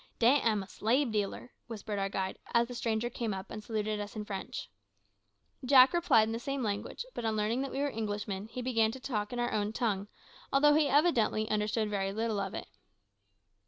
"Dat am a slabe dealer," whispered our guide, as the stranger came up and saluted us in French. Jack replied in the same language; but on learning that we were Englishmen, he began to talk in our own tongue, although he evidently understood very little of it.